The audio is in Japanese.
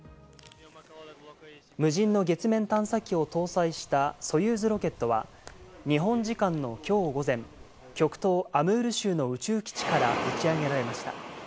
無人の月面探査機を搭載したソユーズロケットは日本時間のきょう午前、極東アムール州の宇宙基地から打ち上げられました。